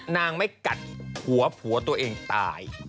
นางไม่กัดหัวผัวตัวเองตาย